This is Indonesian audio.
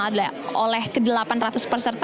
adalah oleh aci world congress